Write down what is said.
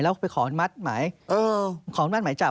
แล้วไปขออนุมัติหมายจับ